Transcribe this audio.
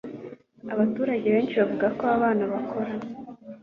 abaturage benshi bavuga ko abana bakora